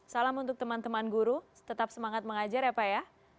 salam untuk teman teman guru tetap semangat mengajar ya pak ya